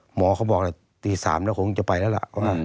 หมอเขาบอกแล้วตี๓แล้วคงจะไปแล้วล่ะ